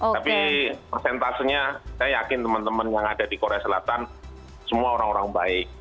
tapi persentasenya saya yakin teman teman yang ada di korea selatan semua orang orang baik